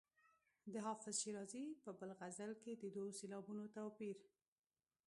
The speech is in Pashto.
د حافظ شیرازي په بل غزل کې د دوو سېلابونو توپیر.